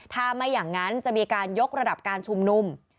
ถ้าไม่อย่างนั้นจะมีการยกระดับการชุมนุม